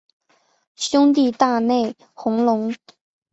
兄弟大内隆弘。